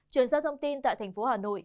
chuyển sang thông tin tại tp hcm